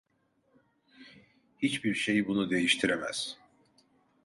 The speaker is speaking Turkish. Hiçbir şey bunu değiştiremez.